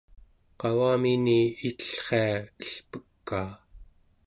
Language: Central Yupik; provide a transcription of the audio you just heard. qavamini itellria elpekaa